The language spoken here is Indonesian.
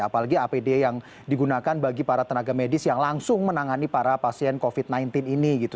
apalagi apd yang digunakan bagi para tenaga medis yang langsung menangani para pasien covid sembilan belas ini gitu